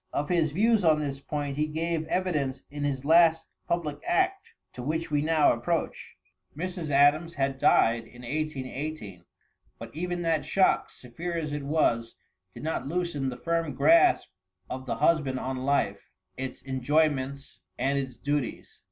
Of his views on this point, he gave evidence in his last public act, to which we now approach. Mrs. Adams had died in 1818, but even that shock, severe as it was, did not loosen the firm grasp of the husband on life, its enjoyments and its duties.